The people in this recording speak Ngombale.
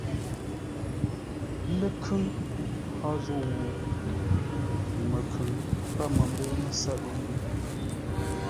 Ləkhʉŋ hó zə̂u? Məkhʉŋ pə̂ məmbə̂u mə́sə́ʼə́?